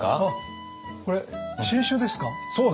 これ新酒ですか？